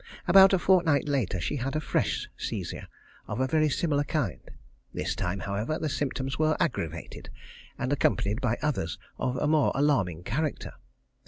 About a fortnight later she had a fresh seizure, of a very similar kind. This time, however, the symptoms were aggravated, and accompanied by others of a more alarming character.